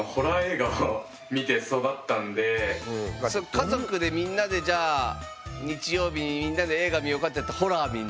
家族でみんなでじゃあ日曜日にみんなで映画見ようかっていうとホラー見んの？